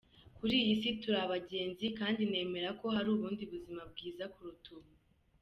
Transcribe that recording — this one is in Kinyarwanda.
Kuri iyi si turi abagenzi kandi nemera ko hari ubundi buzima bwiza kuruta ubu.